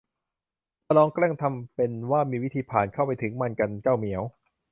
มาลองแกล้งทำเป็นว่ามีวิธีผ่านเข้าไปถึงมันกัน เจ้าเหมียว